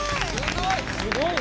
すごい！